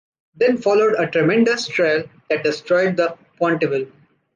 Then followed a tremendous trial that destroyed the Pontville.